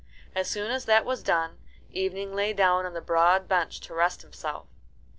As soon as that was done, Evening lay down on the broad bench to rest himself.